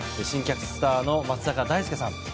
新キャスターの松坂大輔さん。